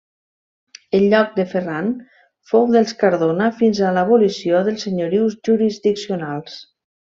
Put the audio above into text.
El lloc de Ferran fou dels Cardona fins a l'abolició dels senyorius jurisdiccionals.